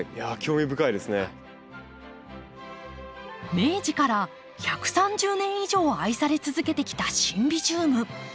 明治から１３０年以上愛され続けてきたシンビジウム。